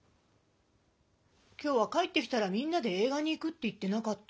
今日は帰ってきたらみんなでえい画に行くって言ってなかった？